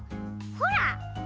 ほら。